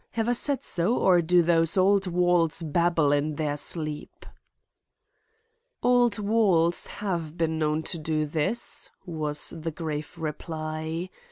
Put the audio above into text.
Have I said so; or do those old walls babble in their sleep?" "Old walls have been known to do this," was the grave reply.